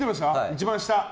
一番下。